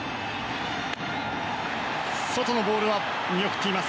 外のボールは見送っています。